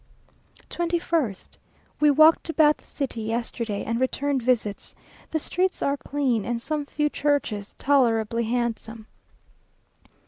21st. We walked about the city yesterday, and returned visits. The streets are clean, and some few churches tolerably handsome.